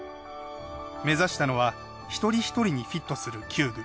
目指したのは一人一人にフィットする弓具。